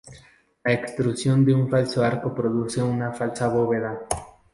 La extrusión de un falso arco produce una falsa bóveda.